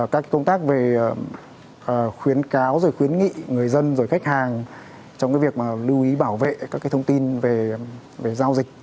các công tác về khuyến cáo khuyến nghị người dân khách hàng trong việc lưu ý bảo vệ các thông tin về giao dịch